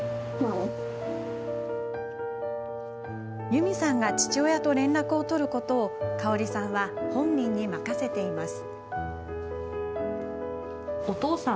ユミさんが父親と連絡を取ることを香さんは本人に任せています。